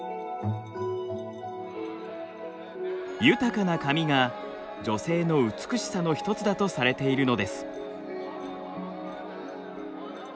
豊かな髪が女性の美しさの一つだとされているのです。